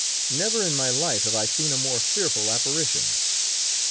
Never in my life have I seen a more fearful apparition.